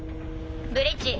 ブリッジ。